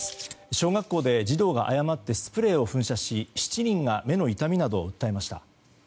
小学校で児童が誤ってスプレーを噴射し７人が目の痛みなどを訴えました。